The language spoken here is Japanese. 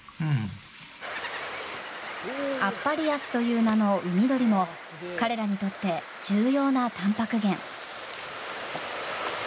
アッパリアスという名の海鳥も彼らにとって重要なたんぱく源。